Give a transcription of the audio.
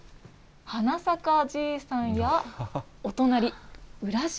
花咲じいさんや、お隣、浦島